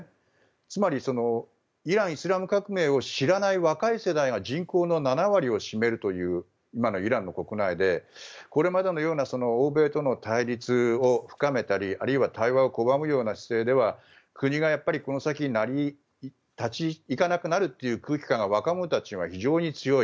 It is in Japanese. つまり、イラン・イスラム革命を知らない若い世代が人口の７割を占めるという今のイランの国内でこれまでのような欧米との対立を深めたりあるいは対話を拒む姿勢では国がこの先立ち行かなくなるという空気感が若者たちには非常に強い。